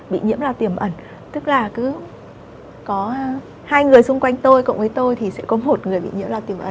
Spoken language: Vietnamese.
bị nhiễm lao tiềm ẩn tức là cứ có hai người xung quanh tôi cộng với tôi thì sẽ có một người bị nhiễm lao tiềm ẩn